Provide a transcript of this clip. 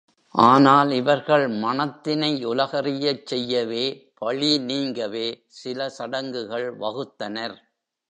ஆனால் இவர்கள் மணத்தினை உலகறியச் செய்யவே, பழி நீங்கவே, சில சடங்குகள் வகுத்தனர்.